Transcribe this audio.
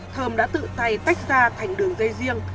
thơm đã tự tay tách ra thành đường dây riêng